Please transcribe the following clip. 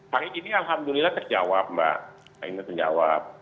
hari ini alhamdulillah terjawab mbak ini terjawab